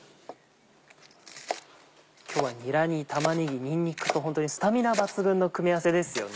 今日はにらに玉ねぎにんにくとホントにスタミナ抜群の組み合わせですよね。